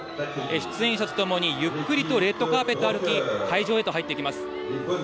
出演者とともにゆっくりとレッドカーペットを歩き会場へと入っていきます。